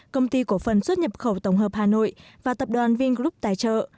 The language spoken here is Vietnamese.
công ty cổ phần xuất nhập khẩu tổng hợp hà nội và tập đoàn vingroup tài trợ